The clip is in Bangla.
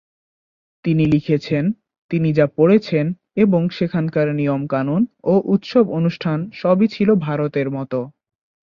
তিনি লিখেছেন, তিনি যা পড়েছেন এবং সেখানকার নিয়মকানুন ও উৎসব-অনুষ্ঠান সবই ছিল ভারতের মতো।